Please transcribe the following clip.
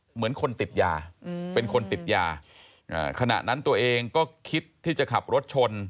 เหมือนคนติดยาเป็นคนติดยาขณะนั้นตัวเองก็คิดที่จะขับรถชน